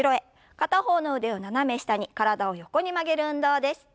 片方の腕を斜め下に体を横に曲げる運動です。